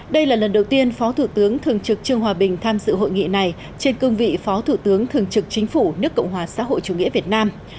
đây là lần đầu tiên phó thủ tướng thường trực trương hòa bình tham dự hội nghị này trên cương vị phó thủ tướng thường trực chính phủ nước cộng hòa xã hội chủ nghĩa việt nam